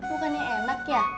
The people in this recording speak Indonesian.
bukannya enak ya